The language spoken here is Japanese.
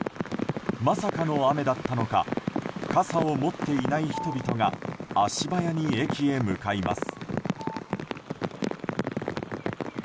まさかの雨だったのか傘を持っていない人々が足早に駅へ向かいます。